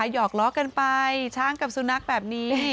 หอกล้อกันไปช้างกับสุนัขแบบนี้